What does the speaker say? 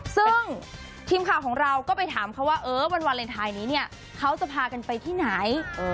ซึ่งทีมข่าวของเราก็ไปถามเขาว่าเออวันวาเลนไทยนี้เนี่ยเขาจะพากันไปที่ไหน